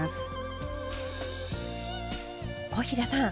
小平さん！